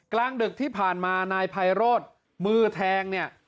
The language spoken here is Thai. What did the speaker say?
กลางดึกที่ผ่านมานายไพโรธมือแทงเนี่ย